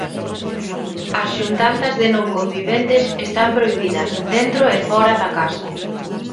As xuntanzas de non conviventes están prohibidas, dentro e fóra da casa.